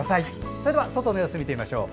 それでは外の様子を見てみましょう。